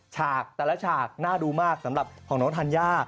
แล้วก็แต่ละฉากน่าดูมากสำหรับของน้องทันย่า